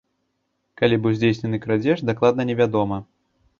Калі быў здзейснены крадзеж, дакладна невядома.